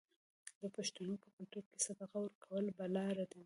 د پښتنو په کلتور کې صدقه ورکول بلا ردوي.